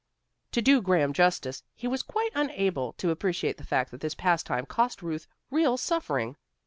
To do Graham justice, he was quite unable to appreciate the fact that this pastime cost Ruth real suffering.